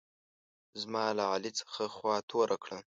زما له علي څخه خوا توره کړه.